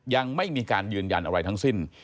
ยังไม่มีการยืนยันอะไรทั้งสิ้น